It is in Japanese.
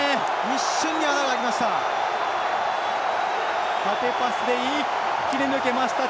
一瞬で穴が開きました。